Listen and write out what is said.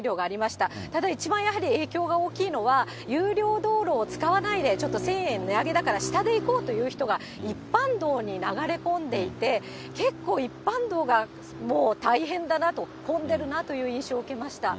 ただ、一番やはり影響が大きいのは、有料道路を使わないで、ちょっと１０００円値上げだから、下で行こうという人が一般道に流れ込んでいて、結構、一般道がもう大変だなと、混んでるなという印象を受けました。